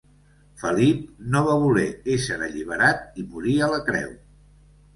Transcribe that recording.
Felip no va voler ésser alliberat i morí a la creu.